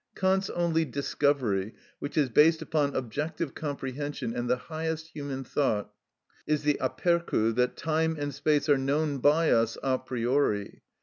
Kant's only discovery, which is based upon objective comprehension and the highest human thought, is the apperçu that time and space are known by us a priori.